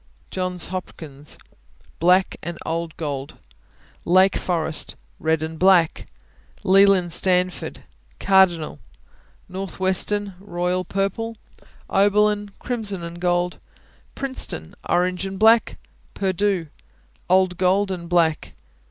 Johns Hopkins Black and old gold. Lake Forest Red and black. Leland Stanford Cardinal. Northwestern Royal Purple. Oberlin Crimson and gold Princeton Orange and black. Purdue Old gold and black.